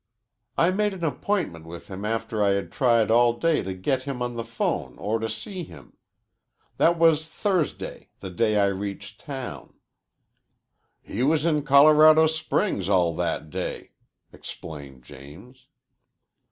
"I made an appointment with him after I had tried all day to get him on the 'phone or to see him. That was Thursday, the day I reached town." "He was in Colorado Springs all that day," explained James.